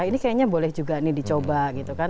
ini kayaknya boleh juga nih dicoba gitu kan